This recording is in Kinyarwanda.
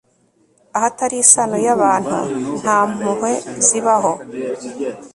ahatari isano y'abantu, nta mpuhwe zibaho